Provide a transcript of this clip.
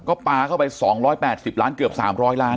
ก็ปลาเข้าไป๒๘๐ล้านเกือบ๓๐๐ล้าน